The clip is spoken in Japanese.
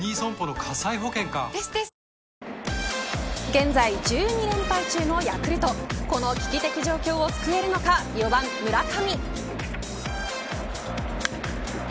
現在、１２連敗中のヤクルトこの危機的状況を救えるのか４番、村上。